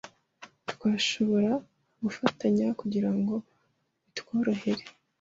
twashobora gufatanya kugira ngo bitworohere